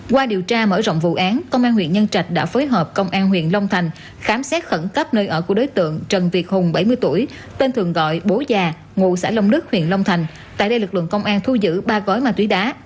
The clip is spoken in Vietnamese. qua điều tra mở rộng vụ án công an huyện nhân trạch đã phối hợp công an huyện long thành khám xét khẩn cấp nơi ở của đối tượng trần việt hùng bảy mươi tuổi tên thường gọi bố già ngụ xã long đức huyện long thành tại đây lực lượng công an thu giữ ba gói ma túy đá